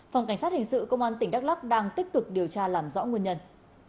phòng cảnh sát hình sự công an tỉnh đắk lắc đang tích cực điều tra làm rõ nguyên nhân